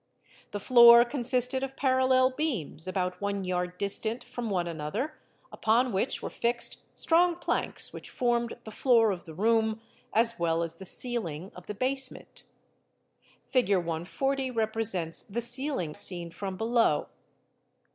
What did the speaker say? The floor consisted of parallel beams about one yard distant from one another upon which were fixed strong planks which formed the floor of the room as well as the ceiling of the basement (Fig. 140 represents the ceiling seen from below).